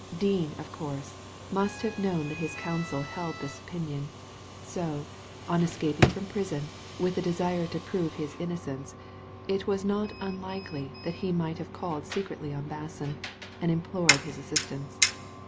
Dean, of course, must have known that his counsel held this opinion ; so, on escaping from prison, with a desire to prove his innocence, it was not tmlikely that he might have called secretly on Basson, and implored his assistance.